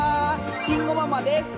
慎吾ママです。